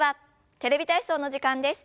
「テレビ体操」の時間です。